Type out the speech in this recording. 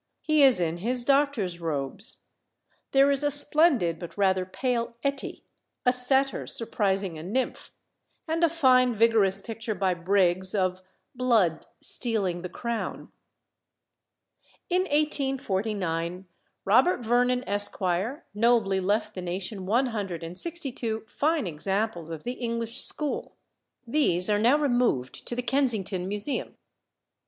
He is in his doctor's robes. There is a splendid but rather pale Etty "A Satyr surprising a Nymph;" and a fine vigorous picture by Briggs, of "Blood stealing the Crown." In 1849, Robert Vernon, Esq., nobly left the nation one hundred and sixty two fine examples of the English school. These are now removed to the Kensington Museum.